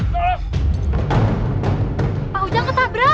pak hujang ketabrak